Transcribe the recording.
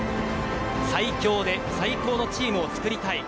最強で最高のチームをつくりたい。